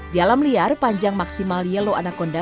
di alam liar panjang maksimal yellow anaconda